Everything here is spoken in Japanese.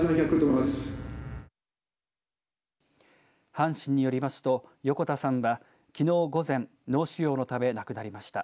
阪神によりますと横田さんはきのう午前脳腫瘍のため亡くなりました。